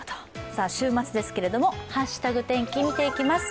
週末ですけれども「＃ハッシュタグ天気」見ていきます。